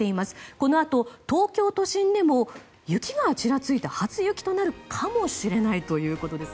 このあと東京都心でも雪がちらついて初雪となるかもしれないということです。